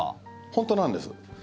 本当なんです。